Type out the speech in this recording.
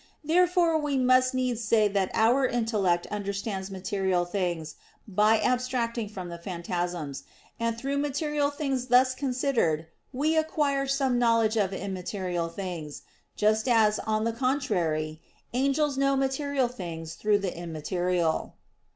Therefore we must needs say that our intellect understands material things by abstracting from the phantasms; and through material things thus considered we acquire some knowledge of immaterial things, just as, on the contrary, angels know material things through the immaterial.